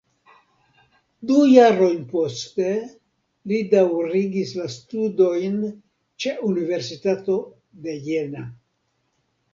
Du jarojn poste li daŭrigis la studojn ĉe Universitato de Jena.